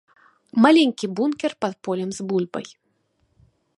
Маленькі бункер пад полем з бульбай.